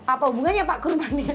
apa hubungannya pak kurma dengan